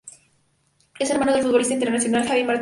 Es hermano del futbolista internacional Javi Martínez.